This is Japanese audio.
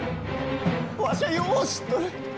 わしゃよう知っとる。